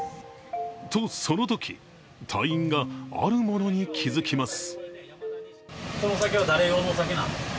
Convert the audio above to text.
と、そのとき隊員があるものに気付きます。